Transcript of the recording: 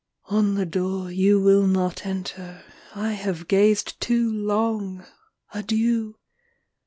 I. On the door you will not enter, I have gazed too long: adieu!